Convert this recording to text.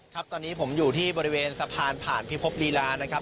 ครับตอนนี้ผมอยู่ที่บริเวณสะพานผ่านพิภพลีลานะครับ